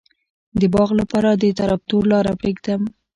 د باغ لپاره د تراکتور لاره پریږدم؟